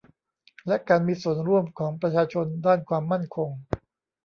และการมีส่วนร่วมของประชาชนด้านความมั่นคง